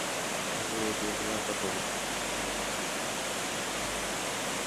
আমি এই দুনিয়ার কথা বলছি।